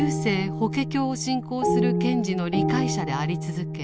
法華経」を信仰する賢治の理解者であり続け